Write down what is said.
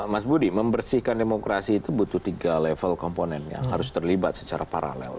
mas budi membersihkan demokrasi itu butuh tiga level komponen yang harus terlibat secara paralel